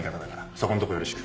そこんとこよろしく。